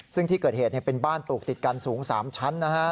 ซึ่งที่เกิดเหตุเป็นบ้านปลูกติดกันสูง๓ชั้นนะฮะ